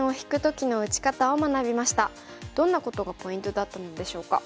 どんなことがポイントだったのでしょうか。